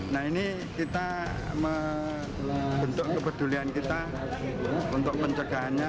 nah ini kita membentuk kepedulian kita untuk pencegahannya